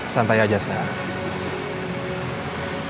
santai aja sam